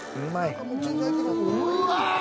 うわ！